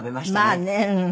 まあね。